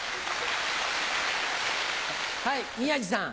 はい宮治さん。